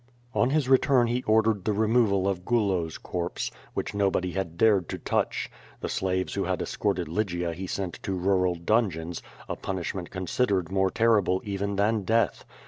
On his return he ordered the removal of Gulo's corpse, which nobody had dared to touch. The slaves who had escorted Lygia he sent to rural dungeons, a punishment con sidered more terrible even than death.